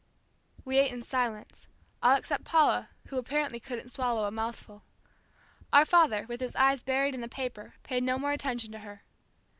We ate in silence, all except Paula who apparently couldn't swallow a mouthful. Our father with his eyes buried in the paper, paid no more attention to her.